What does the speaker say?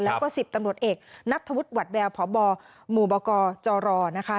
แล้วก็๑๐ตำรวจเอกนัทธวุฒิหวัดแววพบหมู่บกจรนะคะ